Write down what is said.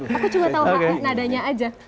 aku juga tau nadanya aja